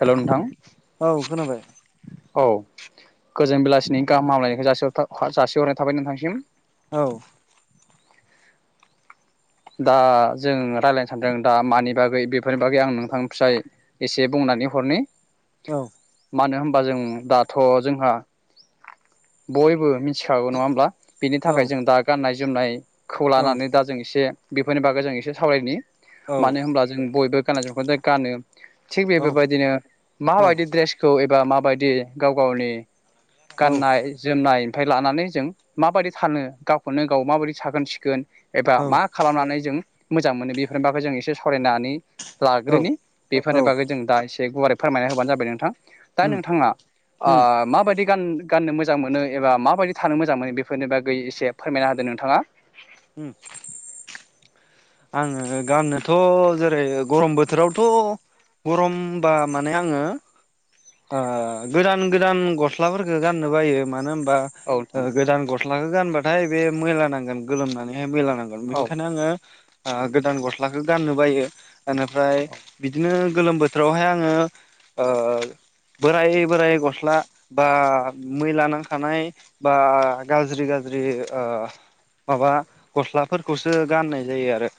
हेल' नोंथां औ खोनाबाय औ गोजोन बेलासिनि गाहामायनायखौ जासिथार जासिहरनाय थाबाय नोंथांसिम औ दा जों रायलायनो सानदों दा मानि बागै बेफोरनि बागै आं नोंथांनि फिसाय एसे बुंनानै हरनि औ मानो होनबा जों दाथ' जोंहा बयबो मिथिखागौ नङा होमब्ला बिनि औ थाखाय जों दा गाननाय जोमनाय खौ औ लानानै दा जों एसे बेफोरनि बागै जों एसे सावरायनि। औ मानो होनब्ला जों बयबो गाननाय जोमनायखौ दा गानो थिग बे औ बेबायदिनो माबायदि दड्रेसखौ बा माबायदि गाव गावनि गाननाय जोमनाय ओमफ्राय लानानै जों माबायदि सानो गावखौनो गाव माबायदि साखोन-सिखोन एबा मा औ जों मोजां मोनो बेफोरनि बागै जों एसे सरायनानै औ लाग्रोनि बेफोरनि बागै जों दा एसे गुवारै फोरमायना होबानो जाबाय नोंथां। दा उम नोंथाङा ओ उम माबायदि गान गाननो मोजां मोनो एबा माबायदि थानो मोजां मोनो बेफोरनि बागै एसे फोरमायना होदो नोंथाङा उम आङो गाननोथ जेरै गरम बोथोरावथ गरमबा माने आङो ओ गोदान गोदान गस्लाफोरखौ गाननो बायो मानो होन औ नोंथां ओ गोदान गस्लाखौ गानबा बे मैला नांगोन गोलोमनानै मैला नांगोन औ बेनिखायनो आङो गोदान गस्लाखौ गाननो बायो बेनिफ्राय औ बिदिनो गोलोम बोथोरावहाय आङो बोराय बोराय गस्ला बा मैला नांखानाय बा गाज्रि गाज्रि माबा गस्लाफोरखौसो गाननाय जायो आरो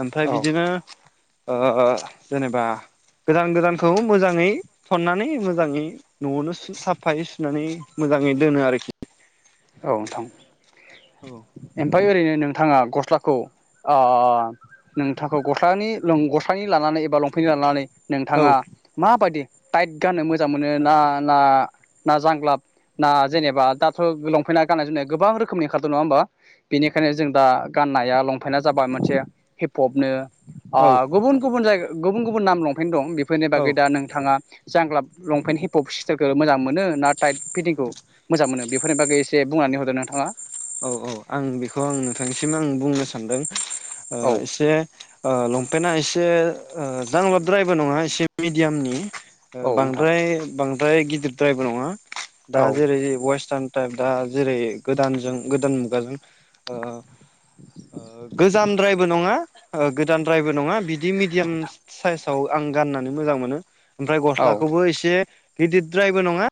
ओमफ्राय औ बिदिनो जेनेबा गोदान गोदानखौ मोजाङै थननानै मोजाङै न'आवनो साफायै सुनानै मोजाङै दोनो आरोखि औ नोंथां औ ओमफाय ओरैनो नोंथाङा गस्लाखौ नोंथांखौ गस्लानि गस्लानि लानानै एबा लंफेन्नि लानानै नोंथाङा माबायदि टाइट गाननो मोजां मोनो ना ना ना जांग्लाब ना जेनेबा दाथ' लंफेन्ना गाननाय जोमनाय गोबां रोखोमनि ओंखारदों नङा होमबा बेनिखायनो जों दा गाननाया लंपेन्टना जाबाय मोनसे हिप हपनो औ अ गुबुन गुबुन जायगा गुबुन गुबुन नाम लंफेन दं बेफोरनि औ बागै दा नोंथाङा जांलाब लंपेन्ट हिपप सिस्टारखौ मोजां मोनो ना टाइट फिटिंखौ मोजां मोनो बेफोरनि बागै बुंनानै हरदो नोंथाङा औ औ आं बेखौ आं नोंथांनिसिम आं बुंनो सानदों औ एसे लं लंपेना एसे जांलाबद्रायबो नङा एसे मिडियामनि औ नोंथां बांद्राय बांद्रा बांद्राय गिदिरद्रायबो नङा औ दा जेरै वेर्स्थान दा जेरै गोदानजों गोदान मुगाजों गोजामद्रायबो नङा गोदानद्रायबो नङा बिदि मिडियाम साइज आं गाननानै मोजां मोनो ओमफ्राय औ गस्लाखौबो एसे गिदिरद्रायबो नङा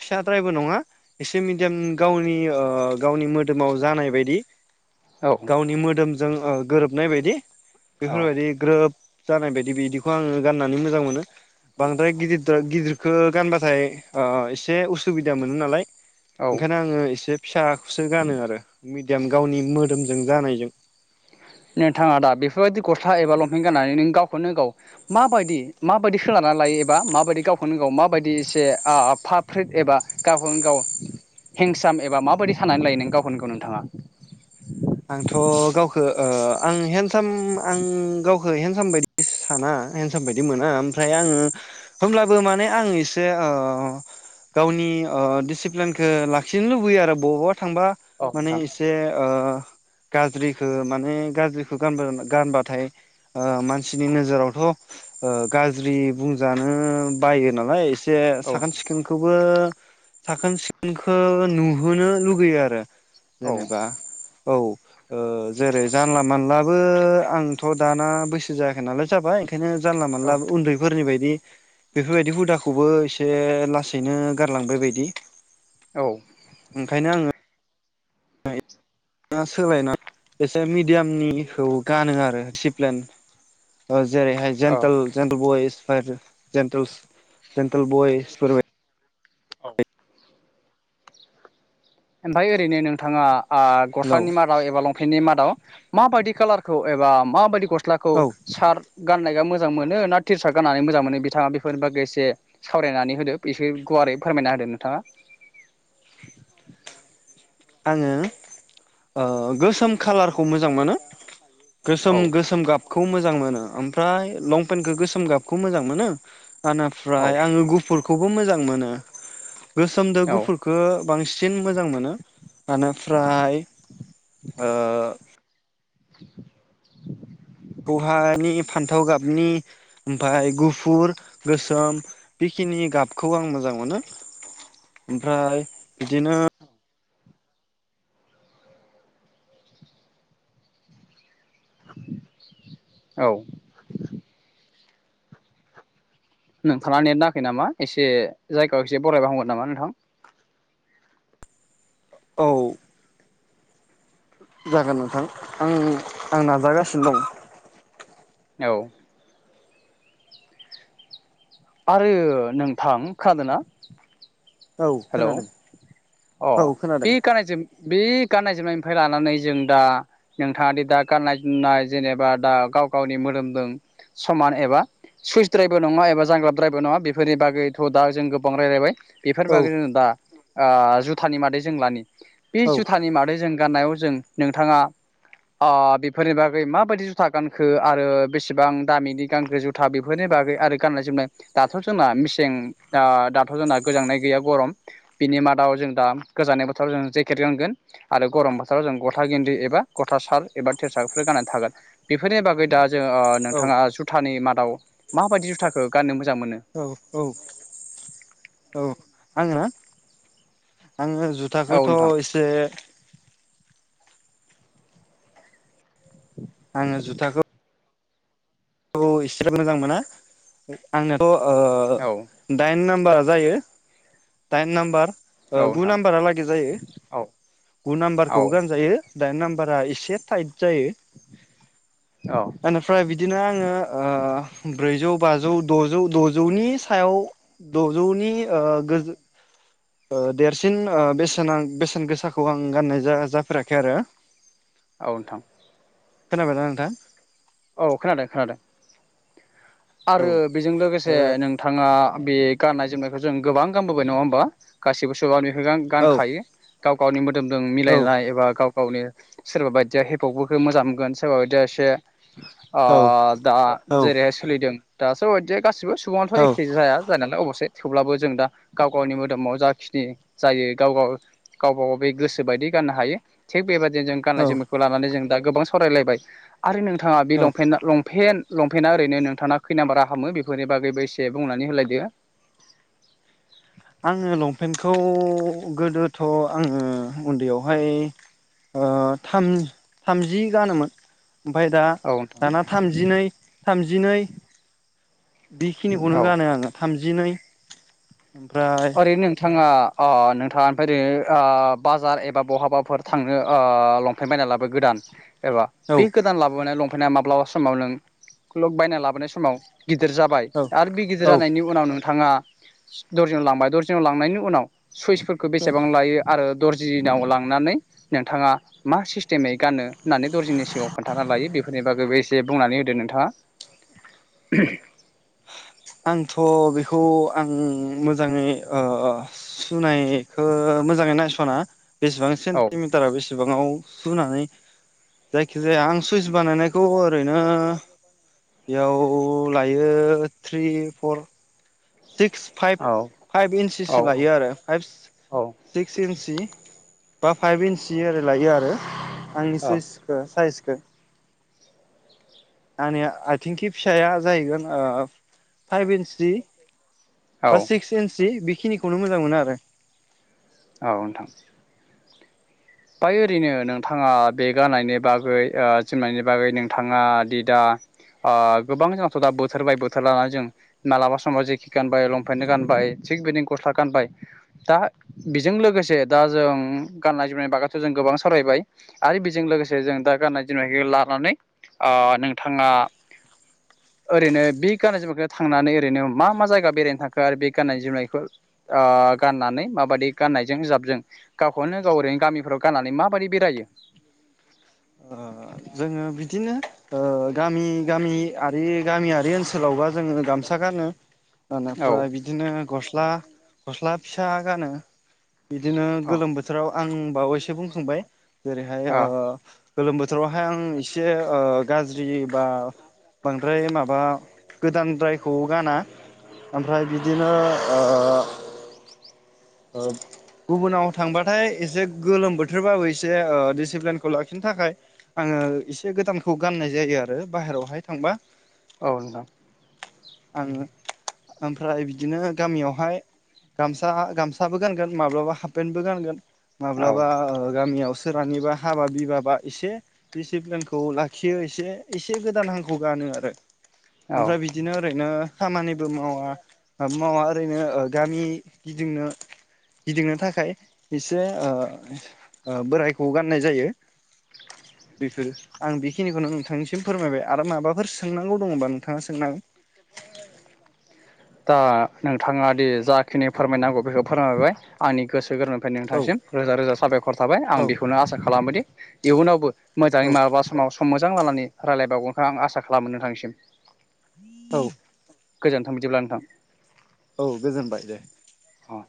फिसाद्रायबो नङा एसे मिडियाम गावनि गावनि मोदोमाव जानाय बायदि औ गावनि मोदोम जों गोरोबनाय बायदि औ बेफोरबायदि ग्रोब जानाय बायदि बिदिखौ आङो गाननानै मोजां मोनो बांद्राय गिदिर गिदिरखौ गानबाथाय एस से उसुबिदा मोनो नालाय। औ ओंखायनो आङो एसे फिसाखौसो गानो आरो। गावनि मोदोमजों जानायजों। नोंथाङा दा बेफोरबायदि गस्ला एबा लंफेन गाननानै नों गावखौनो गाव माबायदि माबायदि सोलानानै लायो एबा माबायदि गावखौनो गाव माबायदि एसे फाट फ्रिट एबा गावखौनो गाव हेंसाम एबा माबायदि साननानै लायो नों गावखौनो गाव नोंथाङा? आंथ' गावखौ आं हेन्दसाम आं गावखौ हेन्दसाम बायदि साना हेन्डसाम बायदि मोना ओमफ्राय आङो हब्लाबो माने आं एसे गावनि डिसिप्लिनखौ लाखिनो लुबैयो आरो बहुत थांबा औ माने नोंथां इसे गाज्रिखौ माने गाज्रिखौ गान गानबाथाय ओ मानसिनि नोजोरावथ' ओ गाज्रि बुंजानो बायो नालाय इस से औ साखोन सिखोनखौ बो साखोन सिखोनखो नुहोनो लुुबैयो आरो। औ जेनेबा औ ओ जेरै जानला मानलाबो आंथ' दाना बैसो जायाखै नालाय जाबाय। बेखायनो जानला मानला उन्दैफोरनि बायदि बेफोरबायदि हुदाखौबो एसे लासैनो गारलांबाय बायदि। औ ओंखायनो आङो सोलायना एसे मिडियामनिखौ गानो आरो डीसिप्लिन। जेरैहाय औ जेेनटेल जेेनटेल बयस आरो जेन्टोलस जन्टेल बयस औ ओमफ्राय ओरैनो नोंथाङा ओ हेलौ गस्लानि मादाव एबा लं फेननि मादाव मा बायदि कालारखौ एबा माबादि गस स्लाखौ औ सार गाननाया मोजां मोनो ना टिसार्ट गाननानै मोजां मोनो बिथाङा बेफोर बागै एसे सावरायनानै होदो बिसे गुवारै फोरमायना होदो नोंथाङा। आङो गोसोम खालारखौ मोजां मोनो। औ गोसोम गोसोम गाब खौ मोजां मोनो ओमफ्राय लंपेन्टखौ गोसोम गाबखौ मोजां मोनो औ ओनफ्राय आङो गुफुर खौबो मोजां मोनो। गोसोमदो औ गुफुरखौ बांसिन सिन मोजां मोनो। ओनिफ्राय ओ [unintelligible] खौहानि फान्थाव गाबनि ओमफ्राय गुफुर गोसोम बेखिनि गाबखौ आं मोजां मोनो ओमफ्राय बिदिनो औ नोंथाङा नेट नाङाखै नामा एसे जायगायाव एसे बरायबा हामगोन नामा नोंथां? औ जागोन नोंथां आं आं नाजागासिनो दं। औ आरो नोंथां खोनादोंना? औ हेलौ खोनादों। अ औ खोनादों बि गाननाय जोम बे गाननाय जोमनायनिफ्राय लानानै जों दा नोंथाङादि दा गाननाय जोमनाय जेनेबा दा गाव गावनि मोदोमजों समान एबा सुइसद्रायबो नङा एबा जांग्लाबद्रायबो नङा बेफोरनि बागैथ' दा जों गोबां रायलायबाय। बेफोर औ बागै जों दा ओ जुथानि मादै जों लानि बे औ जुथानि मादै जों गाननायाव जों नोंथाङा ओ बेफोरनि बागै माबायदि जुथा गानखो आरो बेसेबां दामिनि गानखो जुथा बेफोरनि बागै आरो गाननाय जोमनाय दाथ' जोंना मेसें दाथ' जोंना गोजांनाय गैया गरम बिनि मादाव जों दा गोजांनाय बोथोराव जों जेकेट गानगोन आरो गरम बोथोराव जों गस्ला गेन्दि एबा गस्ला सार्ट एबा टि सार्ट फोर गाननानै थागोन बेफोरनि बागै दा जों ओ औ नोंथाङा जुथानि मा दाव माबायदि जुथाखौ गाननो मोजां मोनो औ औ औ आङो आङो औ जुथाखौथ' नोंथां एसे आङो जुथाखौ औ एसेबो मोजां मोना आंनोथ' औ ओ दाइन नाम बारा जायो दाइन नाम्बार ओ औ गु नोंथां नाम्बारा लागे जायो औ गु औ नाम्बारखौबो गानजायो दाइन नाम्बार बारा एसे टाइट जायो। औ आंनिफ्राय बिदि बिदिनो आङो ओ ब्रैजौ बाजौ द'जौ द'जौनि सायाव द'जौनि ओ गो ओ देरसिन बेसेन बेसेन गोसाखौ आं गाननाय जाया जाफेराखै आरो। औ नोंथां। खोनाबायना नोंथां? औ खोनादों खोनादों। औ आरो बेजों लोगोसे नोंथाङा बे गाननाय जोमनायखौ जों गोबां गानबोबाय नङा होमबा गासिबो सुबुंआनो गान ओ गानखायो। गाव गावनि मो मोदोमदों औ मिलायनाय एबा गाव गावनि सोरबा बायदिया हेपहपफोरखौ मोजां मोनगोन सोरबा बायदिया एसे ओ औ दा जेरैहाय जों दासो अदजेक गासिबो सुबुङाथ' औ एखे जाया जानायालाय अब'से थेवब्लाबो जों दा गाव गावनि मोदोमाव जाखिनि जायो गाव गाव गावबा गाव बे गोसो बायदि गाननो हायो थिग बेबायदि जे जों गाननाय औ जोमनायखौ लानानै जों दा गोबां सावरायलायबाय आरो नों नोंथाङा बे औ लंपेन्टआ लं पेन्ट लंपेन्आ ओरैनो नों थाना खै नाम्बारा हामो बेफोरनि बागैबो एसे बुंनानै होलायदो आङो लंपेन्टखौ गोदोथ' आङो उन्दैयावहाय थाम थामजि गानोमोन ओमफ्राय दा औ नोंथां दाना थामजिनै थामजिनै बेखिनिखौनो औ गानो आङो थामजि दिनै ओमफ्राय ओरैनो नोंथाङा नोंथाङा ओमफ्राय दिनै बाजार एबा बहाबाफोर थांनो लंफायन् बायना लाबो गोदान एबा औ बे गोदान लाबोनाया लं ओमफ्रायाया माब्लाबा समाव नोंलक बायना लाबोनाय समाव गिदिर जाबाय औ आरो बे गिदिर औ जानायनि उनाव नोङो थाङा लांबाय दरिज लांनायनि उनाव सुइसफोरखौ बेसेबां लायो आरो दर्जिनाव लांनानै नोंथाङा मा सिस्टेमै गानो होननानै दर्जिनि सिगाङाव खोन्थाना लायो बेफोरनि बागैबो एसे बुंनानै होदो नोंथाङा आंथ' बेखौ आं मोजाङै सुनायखौ मोजाङै नायस'नाा बेसेबां औ सेन्टिमिटारा बेसेबाङाव सुनानै जायखिजाया आं सुइस बानायनायखौ ओरैनो बेयाव लायो थ्रि फर सिक्स फाइभ औ फाइभ औ इन्सिसो लायो आरो फाइभ औ सिक्स इन्सि बा फाइभ इन्स ओरै लायो आरो आंनि औ सुइसखौ साइज दे आंनि आथिंखि फिसाया जाहैगोन फाइभ इन्स जि औ क्सि इनसि बेखिनि खौनो मोजां मोना आरो औ नोंथां बाय ओरैनो नोंथाङा बे गाननायनि बागै जोमनायनि बागै नोंथाङा दि दा गोबां जोंथ' दा बोथोरबाय बोथोर लानानै जों मालाबा समाव जेकि गानबाय लंपेन्ट गानबाय थिग बिदिनो गस्ला गानबाय दा बेजों लोगोसे दा जों गाननाय जोमनाय बागा जों गोबां सावरायबाय आरो बेजों लोगोसे जों दा गाननाय जोमनायखौ लानानै नोंथाङा ओरैनो बे गाननाय जोमनायखौ थांनानै ओरैनो मा मा जायगा बेरायनो थांखो आरो बे गाननाय जोमनायखौ गाननानै माबायदि गाननायजों बिज जाबजों गावखौनो गाव ओरैनो गामिफोराव गाननानै माबायदि बेरायो जोङो बिदिनो गामि गामिय गामियारि ओनसोलावबा जोङो गामसा गानो। औ आफ्राय बिदिनो गस गस्ला गस्ला फिसा गानो। बिदिनो औ गोलोम बोथोराव आं बावैसो बुंखांबाय जेरैहाय औ गोलोम बोथोर बोथोरावहाय आं एसे गाज्रि बा बांद्राय माबा गोदानद्रायखौ गाना ओमफ्राय बिदिनो गुबुनाव थांबाथाय एसे गोलोम बोथोरबाबो एसे डिसिप्लिनखौ लाखिनो थाखाय आङो एसे गोदानखौ गाननाय जायो आरो बाहेरावहाय थांबा औ दा आङो ओमफ्राय बिदिनो गामियावहाय गामसा गामसा। फिसाबो गानगोन म्लाबा हाफपेन्टबो गानगोन औ माब्लाबा गामियावसो सोरहानिबा हाबा बिबाबा एसे डिसिप्लिनखौ लाखियो एसे एसे गोदान हांखौ गानो आरो। औ ओमफ्राय बिदिनो ओरैनो। खामानिबो मावा मावा ओरैनो गामि गिदिंनो। गिदिंनो थाखाय एसे बोरायखौ गाननाय जायो। बेफोर आं बेखिनिखौनो नोंथांनिसिम फोरमायबाय आरो माबाफोर सोंनांगौ दङबा नोंथाङा सोंनो हागोन। दा नोंथाङा दि जाखिनि फोरमायनांगौ बेखौ फोरमायहरबाय आंनि गोसो गोरबो। ओमफ्राय नोंथांसिम रोजा रोजा साबायखर थाबाय आं औ बेखौनो आसा खालामोदि। इयुनावबो। मोजाङै औ माब्लाबा समाव सम मोजां लानानै रायल्लाय। बावगोनखौ आं आसा खालामो नोंथांनिसिम। औ। गोजोनथाव बिदिब्ला ल [unintelligible] औ गोजोनबाय दे। अ।